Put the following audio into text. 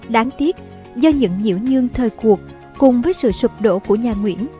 đáng tiếc do những nhiễu nhương thời cuộc cùng với sự sụp đổ của nhà nguyễn